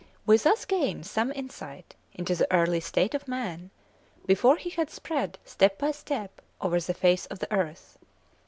We thus gain some insight into the early state of man, before he had spread step by step over the face of the earth.